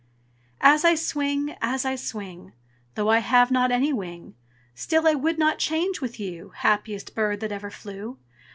As I swing, as I swing, Though I have not any wing, Still I would not change with you, Happiest bird that ever flew.